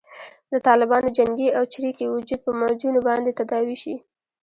د طالبانو جنګي او چریکي وجود په معجونو باندې تداوي شي.